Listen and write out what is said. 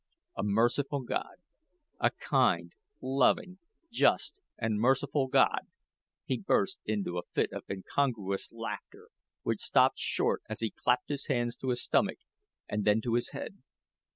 A merciful God a kind, loving, just, and merciful God " he burst into a fit of incongruous laughter, which stopped short as he clapped his hands to his stomach and then to his head.